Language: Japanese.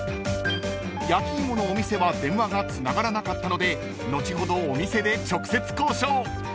［焼き芋のお店は電話がつながらなかったので後ほどお店で直接交渉］